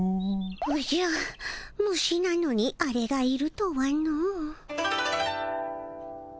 おじゃ虫なのにアレがいるとはの。